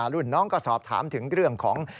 รุ่นน้องก็สอบถามถึงเรื่องของ